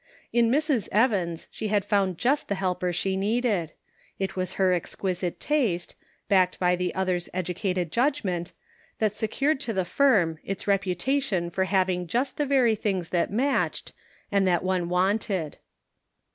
In Mrs. Evans she had found just the helper she needed ; it was her exquisite taste, backed by the other's educated judgment, that secured to the firm its reputation for hav ing just the very things that matched, and that one wanted.